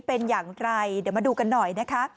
เป็นอย่างไรเดี๋ยวมาดูกันหน่อยนะคะ